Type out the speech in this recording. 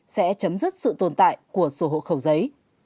sẽ chấm dứt sự tồn tại của sổ hộ khẩu giấy